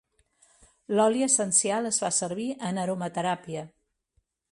L'oli essencial es fa servir en aromateràpia.